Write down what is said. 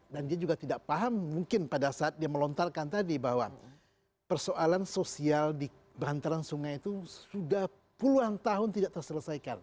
dan dia juga tidak paham mungkin pada saat dia melontarkan tadi bahwa persoalan sosial di bahantaran sungai itu sudah puluhan tahun tidak terselesaikan